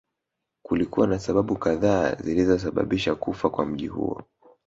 Kulikuwa na sababu kadhaa zilizosababisha kufa kwa mji huo